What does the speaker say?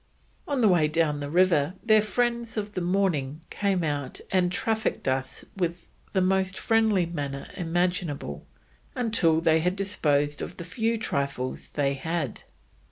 On the way down the river their friends of the morning came out and "traffick'd with us in the most friendly manner imaginable, until they had disposed of the few trifles they had."